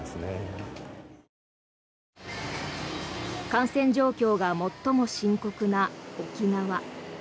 感染状況が最も深刻な沖縄。